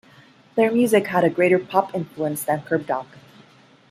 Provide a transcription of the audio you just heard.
Their music had a greater pop influence than Kerbdog.